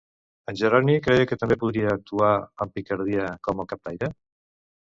En Jeroni creia que també podia actuar amb picardia com el captaire?